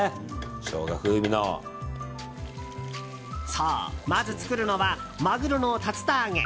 そう、まず作るのはマグロの竜田揚げ。